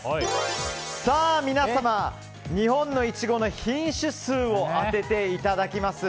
皆様、日本のイチゴの品種数を当てていただきます。